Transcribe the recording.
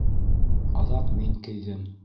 Аҙаҡ мин кейҙем.